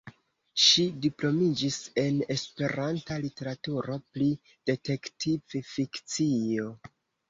Ŝi diplomiĝis en esperanta literaturo pri detektiv-fikcio.